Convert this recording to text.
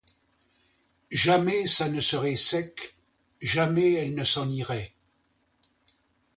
Jamais ça ne serait sec, jamais elle ne s'en irait!